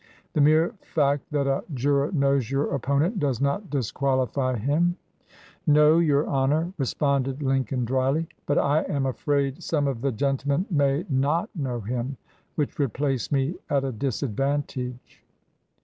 The mere fact that a juror knows your opponent does not disqualify him." "No, your Honor," responded Lincoln, dryly. "But I am afraid some of the gentlemen may not know him, which would place me at a dis advantage."